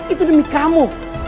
itu demi kamu